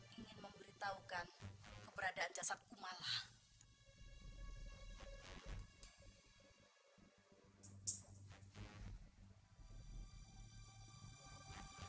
ingin memberitahukan keberadaan jasad kumala